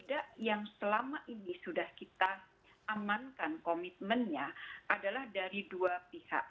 tidak yang selama ini sudah kita amankan komitmennya adalah dari dua pihak